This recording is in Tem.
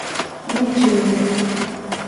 Bu ceeni kee.